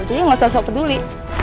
jadi gak usah sok peduli